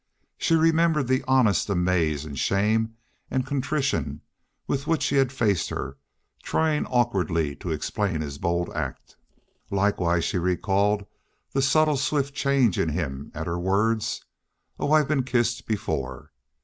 She remembered the honest amaze and shame and contrition with which he had faced her, trying awkwardly to explain his bold act. Likewise she recalled the subtle swift change in him at her words, "Oh, I've been kissed before!"